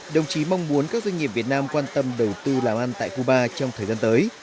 đồng chí mong muốn các doanh nghiệp việt nam quan tâm đầu tư làm ăn tại cuba trong thời gian tới